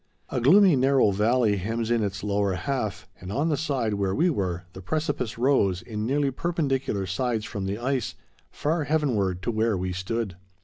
A gloomy, narrow valley hems in its lower half, and on the side where we were, the precipice rose, in nearly perpendicular sides from the ice, far heavenward to where we stood.